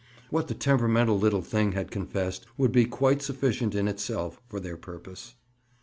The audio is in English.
What the temperamental little thing had confessed would be quite sufficient in itself, for their purpose.